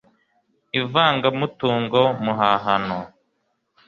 ivangamutungo muhahano